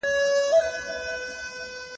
څو وړې ماشومې ورته څرخي او پيښې د نڅېدو کوي